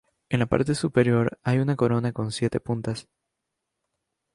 En la parte superior hay una corona con siete puntas.